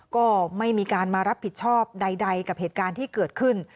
ก็ไม่มีการมารับผิดชอบใดกับเหตุการณ์ที่เกิดขึ้น